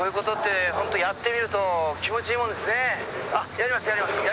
やりますやります